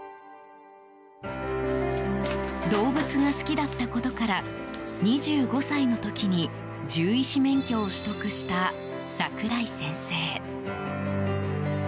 動物が好きだったことから２５歳の時に獣医師免許を取得した櫻井先生。